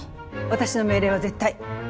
私の命令は絶対。